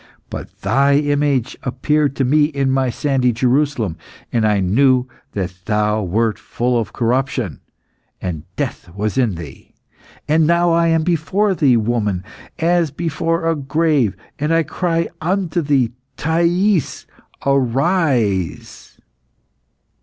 But thy image appeared to me in my sandy Jerusalem, and I knew that thou wert full of corruption, and death was in thee. And now I am before thee, woman, as before a grave, and I cry unto thee, 'Thais, arise!